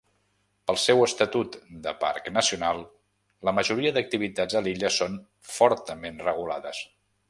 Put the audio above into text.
Pel seu estatut de parc nacional, la majoria d'activitats a l'illa són fortament regulades.